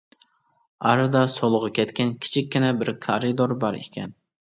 ئارىدا سولغا كەتكەن كىچىككىنە بىر كارىدور بار ئىكەن.